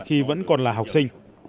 khi vẫn còn ở đây